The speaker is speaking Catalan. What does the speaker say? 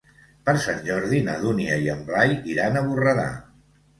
Per Sant Jordi na Dúnia i en Blai iran a Borredà.